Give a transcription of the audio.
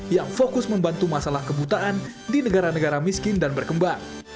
yang fokus membantu masalah kebutaan di negara negara miskin dan berkembang